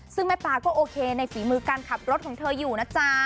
ซึ่งแม่ปลาก็โอเคในฝีมือการขับรถของเธออยู่นะจ๊ะ